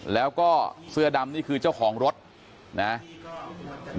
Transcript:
แล้วก็เสื้อดำนี่คือเจ้าของรถนะครับ